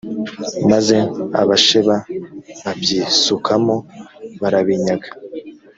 maze abasheba babyisukamo barabinyaga